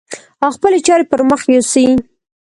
او خپلې چارې پر مخ يوسي.